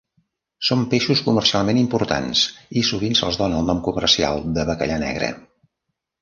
Són peixos comercialment importants i sovint se"ls dóna el nom comercial de bacallà negre.